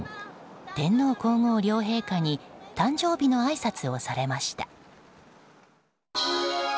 天皇・皇后両陛下に誕生日のあいさつをされました。